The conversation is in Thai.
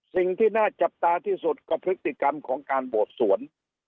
สิ่งที่น่าจับตาที่สุดก็พฤติกรรมของการบวชสวน